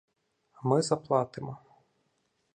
Ми заплатимо.